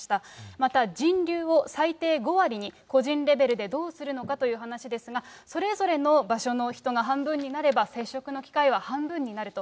また人流を最低５割に、個人レベルでどうするのかという話ですが、それぞれの場所の人が半分になれば、接触の機会は半分になると。